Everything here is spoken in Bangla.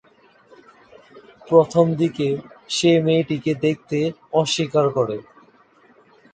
প্রথম দিকে সে মেয়েটিকে দেখতে অস্বীকার করে।